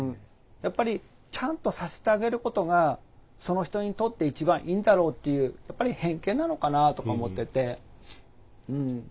やっぱりちゃんとさせてあげることがその人にとって一番いいんだろうっていうやっぱり偏見なのかなあとか思ってて。